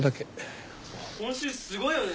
今週すごいよね。